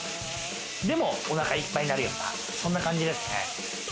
でもおなかいっぱいになるような、そんな感じですね。